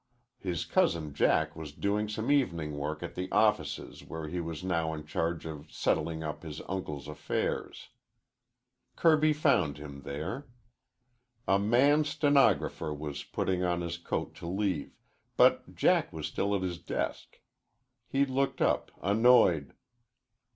His cousin Jack was doing some evening work at the offices where he was now in charge of settling up his uncle's affairs. Kirby found him there. A man stenographer was putting on his coat to leave, but Jack was still at his desk. He looked up, annoyed.